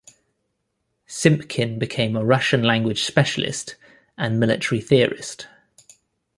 Simpkin became a Russian language specialist and military theorist.